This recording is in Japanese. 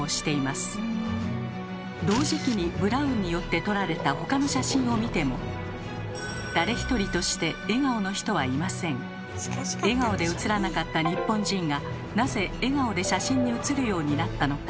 同時期にブラウンによって撮られた他の写真を見ても誰一人として笑顔で写らなかった日本人がなぜ笑顔で写真に写るようになったのか。